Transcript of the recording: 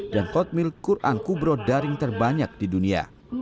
dan hotmail quran kubro daring terbanyak di dunia